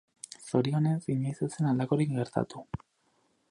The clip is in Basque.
Zorionez, inoiz ez zen halakorik gertatu.